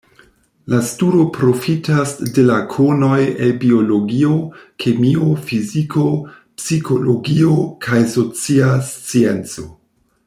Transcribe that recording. La studo profitas de la konoj el biologio, kemio, fiziko, psikologio kaj socia scienco.